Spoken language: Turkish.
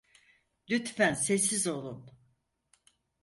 Lütfen sessiz olun.